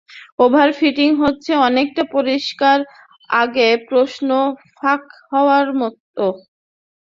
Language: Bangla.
ওভারফিটিং হচ্ছে অনেকটা পরীক্ষার আগে প্রশ্ন ফাঁস হবার মত।